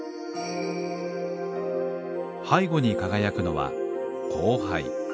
背後に輝くのは光背。